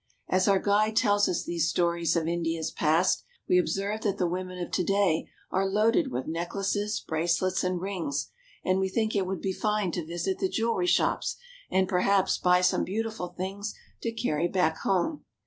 As our guide tells us these stories of India's past, we ob serve that the women of to day are loaded with necklaces, bracelets, and rings, and we think it would be fine to visit the jewelry shops, and perhaps buy some beautiful things to carry back home.